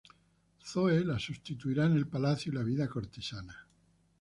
Zoe la sustituirá en el palacio y la vida cortesana.